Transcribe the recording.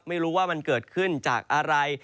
ไม่รู้ว่ามันเกิดขึ้นจากอะไร